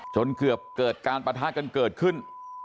จนเกือบเกิดการปะทะกันเกิดขึ้น